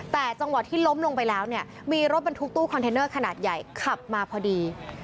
แต่จังหวะที่ล้มลงไปแล้วเนี่ยมีรถบรรทุกตู้คอนเทนเนอร์ขนาดใหญ่ขับมาพอดี